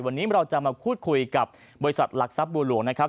วันนี้เราจะมาพูดคุยกับบริษัทหลักทรัพย์บัวหลวงนะครับ